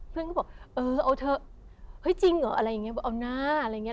เพื่อนก็บอกเออเอาเถอะเฮ้ยจริงเหรออะไรอย่างนี้เอาหน้าอะไรอย่างนี้